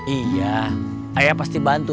iya ayah pasti bantu